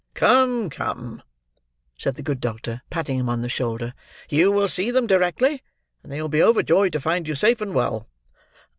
"Come, come!" said the good doctor, patting him on the shoulder. "You will see them directly, and they will be overjoyed to find you safe and well."